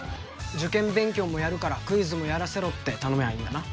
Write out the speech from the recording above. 受験勉強もやるからクイズもやらせろって頼めばいいんだな。